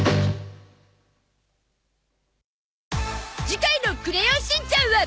次回の『クレヨンしんちゃん』は